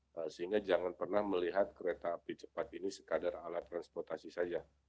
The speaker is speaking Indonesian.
sehingga jangan pernah melihat kereta api cepat ini sekadar alat transportasi saja